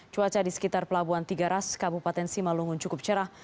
cuaca di sekitar pelabuhan tiga ras kabupaten simalungun cukup cerah